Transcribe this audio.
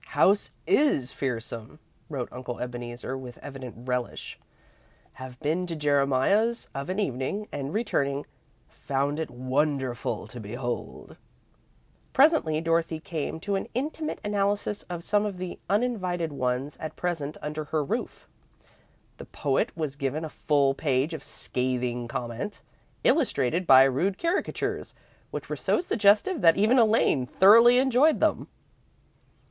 "House is fearsome," wrote Uncle Ebeneezer, with evident relish. "Have been to Jeremiah's of an evening and, returning, found it wonderful to behold." Presently, Dorothy came to an intimate analysis of some of the uninvited ones at present under her roof. The poet was given a full page of scathing comment, illustrated by rude caricatures, which were so suggestive that even Elaine thoroughly enjoyed them.